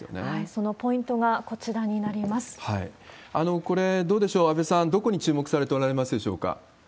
そのポイントがこちらになりこれ、どうでしょう、安倍さん、どこに注目されておられますでしょうか？